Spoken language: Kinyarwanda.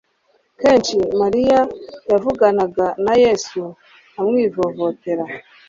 Kenshi Mariya yavuganaga na Yesu amwivovotera,